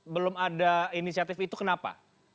belum ada inisiatif itu kenapa